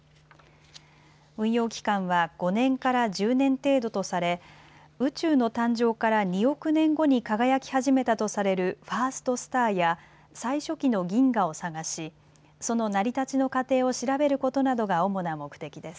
運用期間は５年から１０年程度とされ宇宙の誕生から２億年後に輝き始めたとされるファーストスターや最初期の銀河を探しその成り立ちの過程を調べることなどが主な目的です。